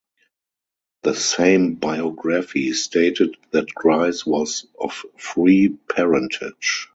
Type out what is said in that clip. The same biography stated that Grice was "of free parentage".